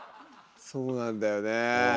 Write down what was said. そうなんだよねえ。